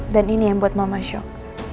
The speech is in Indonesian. ini yang buat mama shock